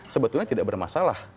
sebetulnya tidak bermasalah